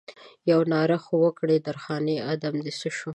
یوه ناره خو وکړه درخانۍ ادم دې څه شو؟